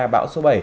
bão số bảy